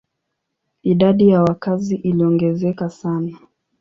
Idadi ya wakazi iliongezeka sana.